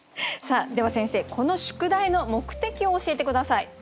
では先生この宿題の目的を教えて下さい。